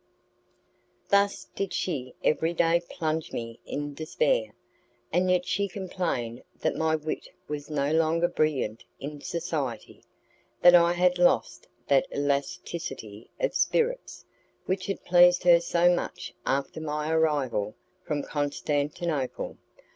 Thus did she every day plunge me in despair, and yet she complained that my wit was no longer brilliant in society, that I had lost that elasticity of spirits which had pleased her so much after my arrival from Constantinople.